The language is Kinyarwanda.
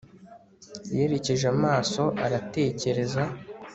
Yerekeje amaso aratekereza